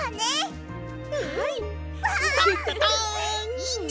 いいね！